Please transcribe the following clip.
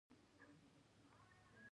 آیا د ایران ونډه د هیرولو نه ده؟